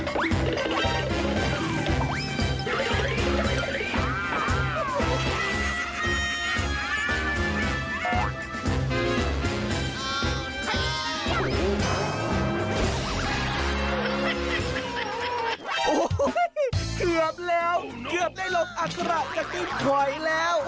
โอ้โหเกือบแล้วเกือบได้ลงอัคระจะกินหอยแล้ว